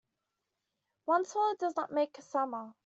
One swallow does not make a summer.